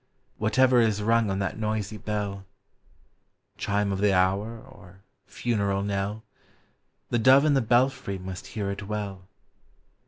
Whatever is rung on that noisy bell, — Chime of the hour, or funeral knell, — The dove in the belfry must hear it well.